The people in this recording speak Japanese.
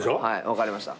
分かりました。